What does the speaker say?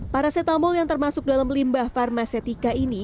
parasetamol yang termasuk dalam limbah farmacetika ini